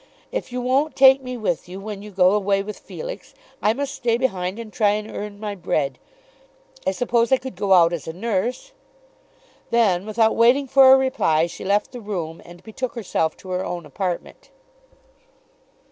If you won't take me with you when you go away with Felix, I must stay behind and try and earn my bread. I suppose I could go out as a nurse." Then, without waiting for a reply she left the room and betook herself to her own apartment.